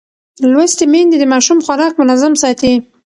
لوستې میندې د ماشوم خوراک منظم ساتي.